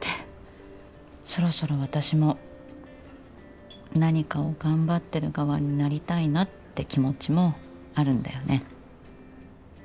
そろそろ私も何かを頑張ってる側になりたいなって気持ちもあるんだよね。